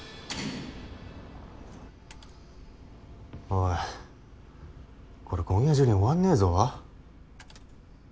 おいこれ今夜中に終わんねえぞ。